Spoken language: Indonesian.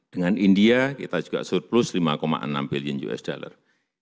dengan india kita juga surplus lima enam billion us dollar